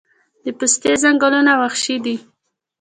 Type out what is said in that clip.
د پستې ځنګلونه وحشي دي؟